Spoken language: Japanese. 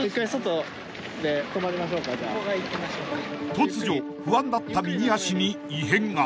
［突如不安だった右足に異変が］